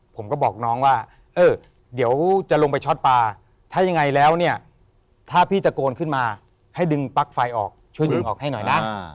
ผมก็บอกน้องว่าเออเดี๋ยวจะลงไปช็อตปลาถ้ายังไงแล้วเนี่ยถ้าพี่ตะโกนขึ้นมาให้ดึงปลั๊กไฟออกช่วยดึงออกให้หน่อยนะ